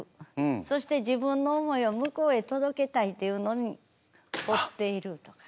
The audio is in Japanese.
そして自分の思いを向こうへ届けたいというのに放っているとか。